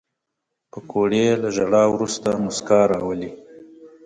پکورې له ژړا وروسته موسکا راولي